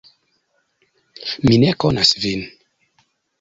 Mi ne konas vin.